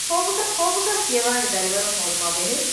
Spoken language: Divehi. ކޯހުގައި ކިޔަވާނެ ދަރިވަރުން ހޯދުމާ ބެހޭ